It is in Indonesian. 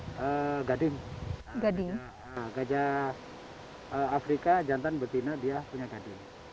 gajah afrika dari telinganya bentuknya sudah berbeda kemudian dari gading gajah afrika jantan betina dia punya gading